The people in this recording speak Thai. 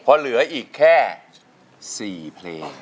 เพราะเหลืออีกแค่๔เพลง